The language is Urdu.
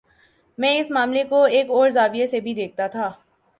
میں اس معاملے کوایک اور زاویے سے بھی دیکھتا تھا۔